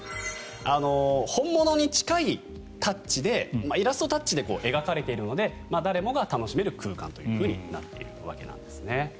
本物に近いタッチでイラストタッチで描かれているので誰もが楽しめる空間となっているわけですね。